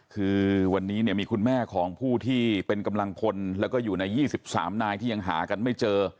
คือวันนี้เนี่ยมีคุณแม่ของผู้ที่เป็นกำลังพลแล้วก็อยู่ใน๒๓นายที่ยังหากันไม่เจอ